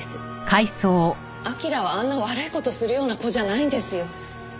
彬はあんな悪い事するような子じゃないんですよ。